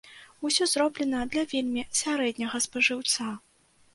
Усё зроблена для вельмі сярэдняга спажыўца.